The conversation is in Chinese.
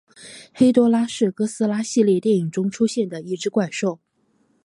黑多拉是哥斯拉系列电影中出现的一只怪兽。